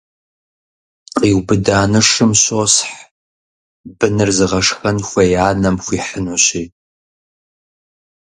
Къиубыда нышым щосхь, быныр зыгъэшхэн хуей анэм хуихьынущи.